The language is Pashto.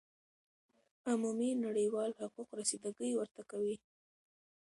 عمومی نړیوال حقوق رسیده ګی ورته کوی